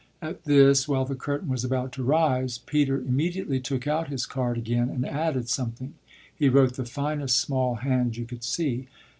At this, while the curtain was about to rise, Peter immediately took out his card again and added something he wrote the finest small hand you could see.